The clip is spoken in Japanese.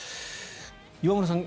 今村さん